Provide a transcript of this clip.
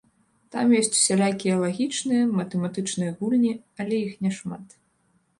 Там ёсць усялякія лагічныя, матэматычныя гульні, але іх не шмат.